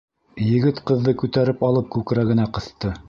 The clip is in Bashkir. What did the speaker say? Егет ҡыҙҙы күтәреп алып күкрәгенә ҡыҫты.